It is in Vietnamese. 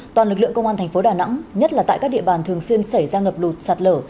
toàn lực lượng công an thành phố đà nẵng nhất là tại các địa bàn thường xuyên xảy ra ngập lụt sạt lở